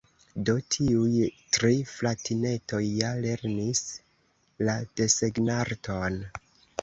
"Do, tiuj tri fratinetoj ja lernis la desegnarton".